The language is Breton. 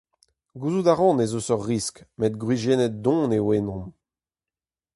Gouzout a ran ez eus ur riskl met gwriziennet don eo ennon.